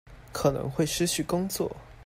可能會失去工作